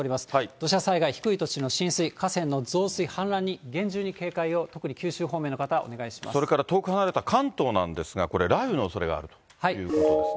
土砂災害、低い土地の浸水、河川の増水、氾濫に厳重に警戒を、特それから遠く離れた関東なんですが、雷雨のおそれがあるということですね。